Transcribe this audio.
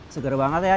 segar banget ya